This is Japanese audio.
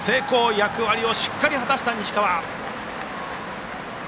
役割をしっかり果たした西川。